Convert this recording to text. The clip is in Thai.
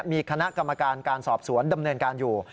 มีคณะกรรมการการสอบสวนดำเนินการอยู่